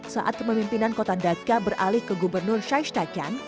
saat kemimpinan kota dhaka beralih ke gubernur syahistakyan